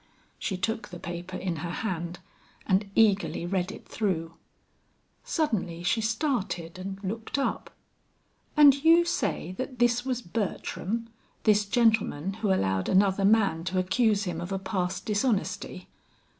She took the paper in her hand, and eagerly read it through. Suddenly she started and looked up. "And you say that this was Bertram, this gentleman who allowed another man to accuse him of a past dishonesty?"